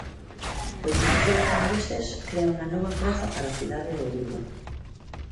O edificio de Cambeses crea unha nova praza para a cidade de Vigo.